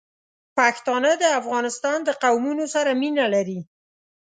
پښتانه د افغانستان د قومونو سره مینه لري.